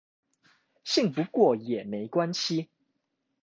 信不過也沒關係